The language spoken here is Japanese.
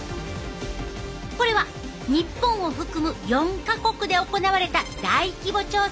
これは日本を含む４か国で行われた大規模調査の結果。